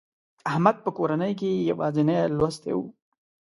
احمد په کورنۍ کې یوازینی لوستي و.